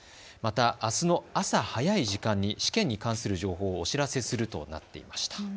またあすの朝早い時間に試験に関する情報をお知らせするとなっていました。